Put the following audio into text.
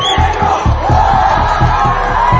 สวัสดีครับ